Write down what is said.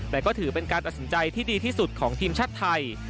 แต่ก็ถือเป็นการตัดสินใจที่ดีที่สุดของทีมชาติไทย